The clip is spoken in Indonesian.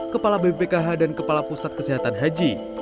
kepala bpkh dan kepala pusat kesehatan haji